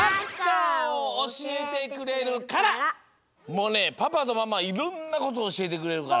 もうねパパとママはいろんなことおしえてくれるから。